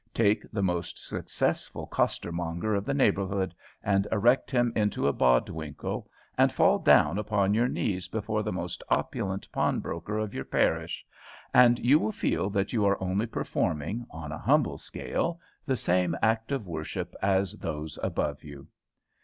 Take the most successful costermonger of the neighbourhood and erect him into a Bodwinkle, and fall down upon your knees before the most opulent pawnbroker of your parish; and you will feel that you are only performing, on a humble scale, the same act of worship as those above you.